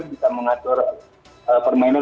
bisa mengatur permainan